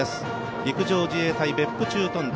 陸上自衛隊別府駐屯地